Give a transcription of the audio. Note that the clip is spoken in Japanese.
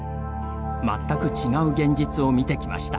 全く違う現実を見てきました。